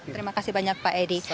terima kasih banyak pak edi